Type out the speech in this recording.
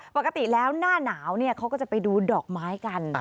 ปกติแล้วหน้าหนาวเขาก็จะไปดูดอกไม้กัน